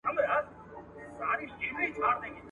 دباندي ډېر باد دی دروازه بنده کړه.